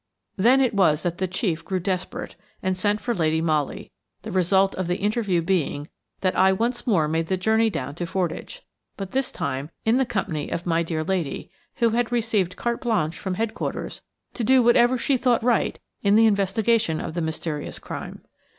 Then it was that the chief grew desperate and sent for Lady Molly, the result of the interview being that I once more made the journey down to Fordwych, but this time in the company of my dear lady, who had received carte blanche from headquarters to do whatever she thought right in the investigation of the mysterious crime.